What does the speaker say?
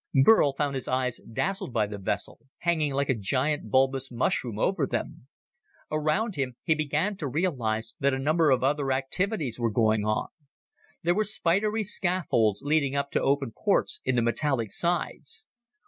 Burl found his eyes dazzled by the vessel, hanging like a giant bulbous mushroom over them. Around him, he began to realize that a number of other activities were going on. There were spidery scaffolds leading up to open ports in the metallic sides.